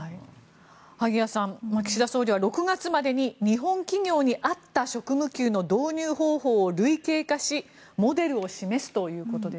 萩谷さん、岸田総理は６月までに日本企業に合った職務給の導入方法を類型化しモデルを示すということです。